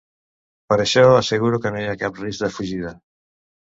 Per això, assegura que no hi ha cap risc de fugida.